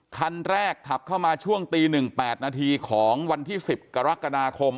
คันแรกขับเข้ามาช่วงตี๑๘นาทีของวันที่๑๐กรกฎาคม